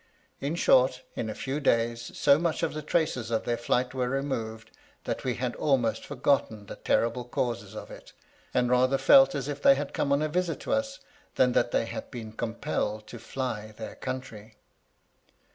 In short, in a few days so much 110 MY LADY LUDLOW. of the traces of their flight were removed, that we had ahnost forgotten the terrible causes of it» and rather felt as if they had come on a visit to us than that they had been compelled to fly their country.